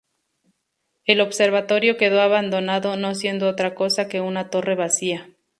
El Observatorio quedó abandonado, no siendo otra cosa que una torre vacía.